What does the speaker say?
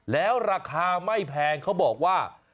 แล้วราคาไม่แพงเขาบอกว่า